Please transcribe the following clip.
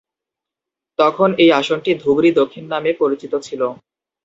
তখন এই আসনটি ধুবড়ী দক্ষিণ নামে পরিচিত ছিল।